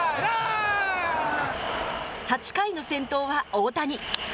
８回の先頭は大谷。